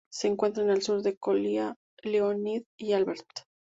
Se encuentra al sur de Kolya, Leonid y Albert.